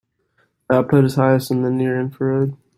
The output is highest in the near infrared.